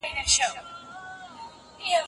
هغوی د زردالو په خوړلو بوخت دي.